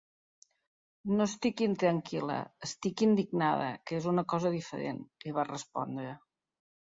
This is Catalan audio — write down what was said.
No estic intranquil·la, estic indignada, que és una cosa diferent, li va respondre.